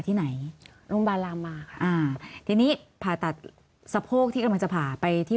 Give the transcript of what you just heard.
ที่ไหนโรงพยาบาลรามมาค่ะอ่าทีนี้ผ่าตัดสะโพกที่กำลังจะผ่าไปที่